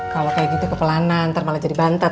kalau kayak gitu kepelanan ntar malah jadi bantet